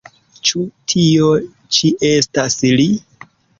Ĉu tio ĉi estas li?